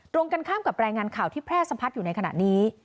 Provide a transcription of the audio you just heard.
ตรงกันข้ามกับรายงานข่าวที่แพร่สัมผัสอยู่ในขณะนี้